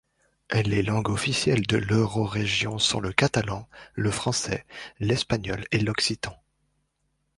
Les langues officielles de l'Eurorégion sont le catalan, le français, l’espagnol et l’occitan.